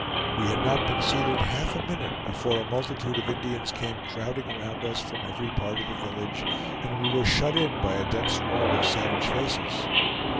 We had not been seated half a minute before a multitude of Indians came crowding around us from every part of the village, and we were shut in by a dense wall of savage faces.